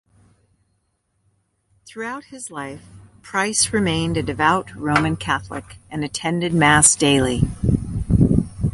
Throughout his life Price remained a devout Roman Catholic and attended Mass daily.